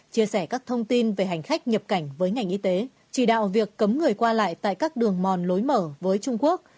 chia sẻ các thông tin về hành khách nhập cảnh với ngành y tế chỉ đạo việc cấm người qua lại tại các đường mòn lối mở với trung quốc